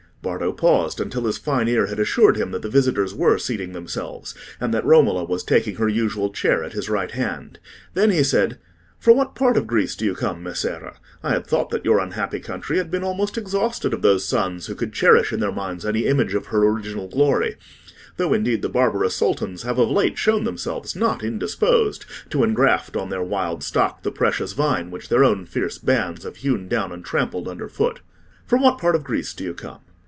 Bardo paused until his fine ear had assured him that the visitors were seating themselves, and that Romola was taking her usual chair at his right hand. Then he said— "From what part of Greece do you come, Messere? I had thought that your unhappy country had been almost exhausted of those sons who could cherish in their minds any image of her original glory, though indeed the barbarous Sultans have of late shown themselves not indisposed to engraft on their wild stock the precious vine which their own fierce bands have hewn down and trampled under foot. From what part of Greece do you come?"